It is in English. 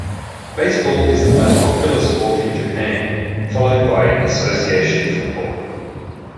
Baseball is the most popular sport in Japan, followed by association football.